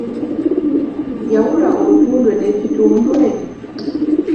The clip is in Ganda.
Yawula obutundwe n'ekitundwe?